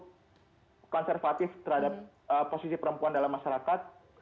yang sangat konservatif terhadap posisi perempuan dalam masyarakat